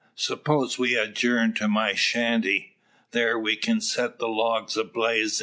S'pose we adjern to my shanty. Thar we kin set the logs a bleezin'.